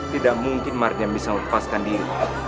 tidak mungkin mardian bisa melepaskan diri